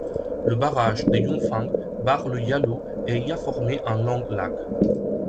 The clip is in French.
Le barrage de Yunfeng barre le Yalou et y a formé un long lac.